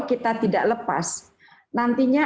kita tidak lepas nantinya